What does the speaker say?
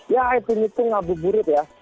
ya itu ngitung abu burut ya